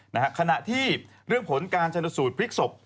ขณะที่เรื่องผลการชนสูตรพลิกศพ